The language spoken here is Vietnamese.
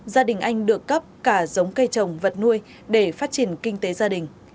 gia đình anh được cấp cả giống cây trồng vật nuôi để phát triển kinh tế gia đình